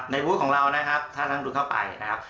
ในบูธของเรานะครับถ้าน้ำทุนเข้าไปนะครับ